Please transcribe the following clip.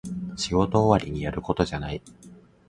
仕事終わりにやることじゃない